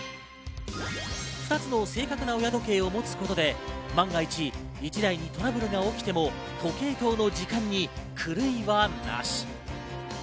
２つの正確な親時計を持つことで万がいち、１台にトラブルが起きても時計塔の時間に狂いはなし。